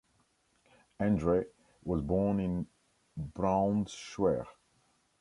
Andree was born in Braunschweig.